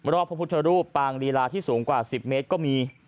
พระพุทธรูปปางลีลาที่สูงกว่า๑๐เมตรก็มี